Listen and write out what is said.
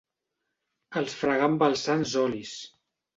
Els fregà amb els sants olis.